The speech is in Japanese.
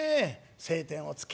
「晴天を衝け」